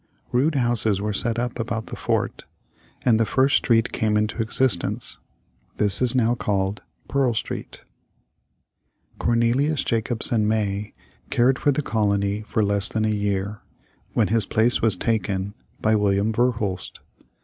Rude houses were set up about the fort, and the first street came into existence. This is now called Pearl Street. Cornelius Jacobsen May cared for the colony for less than a year, when his place was taken by William Verhulst.